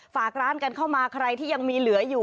ฝากร้านกันเข้ามาใครที่ยังมีเหลืออยู่